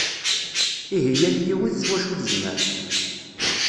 Ihi yal yiwet s wacu tezmer.